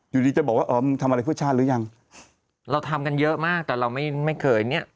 อยู่ดีจะบอกว่าเออมึงทำอะไรเพื่อชาติหรือยังเราทำกันเยอะมากแต่เราไม่ไม่เคยเนี้ย